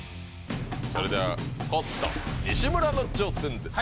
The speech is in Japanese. それではコットン・西村の挑戦です。